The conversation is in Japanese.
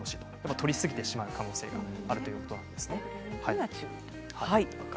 とりすぎてしまう可能性があるということです。